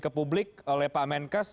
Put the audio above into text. ke publik oleh pak menkes